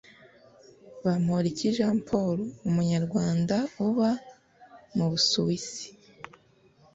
bamporiki jean paul umunyarwanda uba mu busuwisi